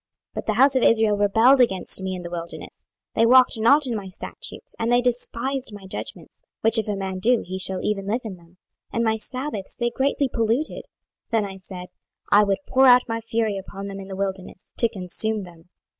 26:020:013 But the house of Israel rebelled against me in the wilderness: they walked not in my statutes, and they despised my judgments, which if a man do, he shall even live in them; and my sabbaths they greatly polluted: then I said, I would pour out my fury upon them in the wilderness, to consume them.